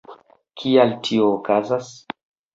Kial tio okazas?